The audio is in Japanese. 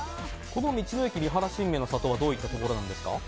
この道の駅みはら神明の里はどういったところなんですか。